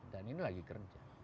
dan ini lagi kerja